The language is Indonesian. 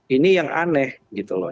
ini yang aneh gitu loh